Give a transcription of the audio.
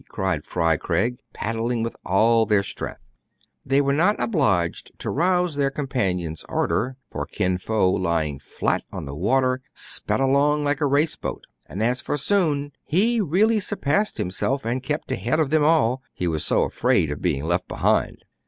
cried Fry Craig, paddling with all their strength. They were not obliged to rouse their compan ions' ardor; for Kin Fo, lying flat on the water, sped along like a race boat ; and, as for Soun, he really surpassed himself, and kept ahead of them all, he was so afraid of being left behind.